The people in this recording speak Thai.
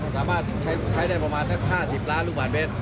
สามารถใช้ได้ประมาณสัก๕๐ล้านลูกบาทเมตร